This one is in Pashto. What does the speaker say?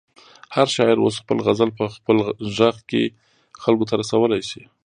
هر شاعر اوس خپل غزل په خپل غږ کې خلکو ته رسولی شي.